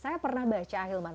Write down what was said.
saya pernah baca ahilman